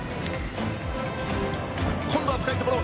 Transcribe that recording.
今度は深いところ！